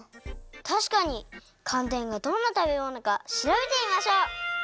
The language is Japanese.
たしかにかんてんがどんなたべものかしらべてみましょう！